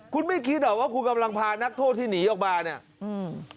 คุณไม่คิดหรอกว่าคุณกำลังพานักโทษที่หนีออกมาเนี้ยอืม